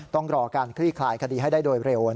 ต้องรอการคลี่คลายคดีให้ได้โดยเร็ว